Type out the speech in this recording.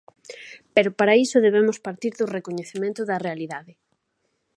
Pero para iso debemos partir do recoñecemento da realidade.